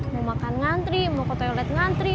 mau makan ngantri mau ke toilet ngantri